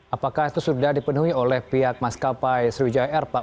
apakah itu sudah dipenuhi oleh pihak maskapai sriwijaya air pak